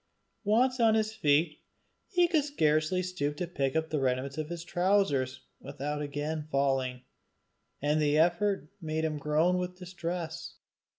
Once on his feet, he could scarcely stoop to pick up his remnant of trowsers without again falling, and the effort made him groan with distress.